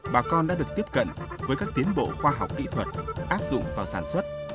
bà con đã được tiếp cận với các tiến bộ khoa học kỹ thuật áp dụng vào sản xuất